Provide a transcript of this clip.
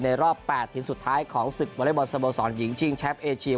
ในรอบ๘ถิ่นสุดท้ายของศึกบริษัทสมสรรค์หญิงชิงแชมป์เอจี